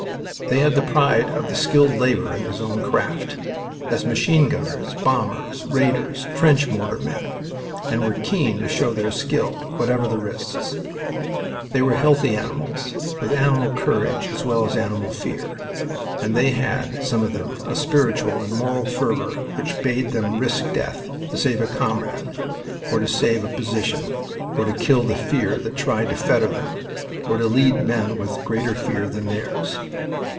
They had the pride of the skilled laborer in his own craft, as machine gunners, bombers, raiders, trench mortar men, and were keen to show their skill, whatever the risks. They were healthy animals, with animal courage as well as animal fear, and they had, some of them, a spiritual and moral fervor which bade them risk death to save a comrade, or to save a position, or to kill the fear that tried to fetter them, or to lead men with greater fear than theirs.